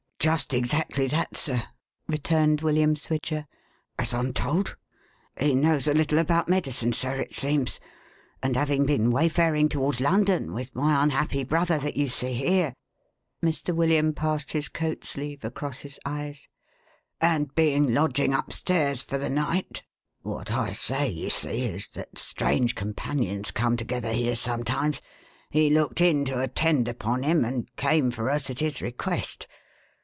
" Just exactly that, sir," returned William Swidger, " as Fin told. He knows a little about medicine, sir, it seems; and having been wayfaring towards London with my unhappy brother that you see here," Mr. William passed his coat sleeve across his eyes, " and being lodging up stairs for the night — what I say, you see, is that strange companions come together here sometimes — he looked in to attend upon him, and came for us at his request.